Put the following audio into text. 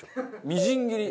みじん切り？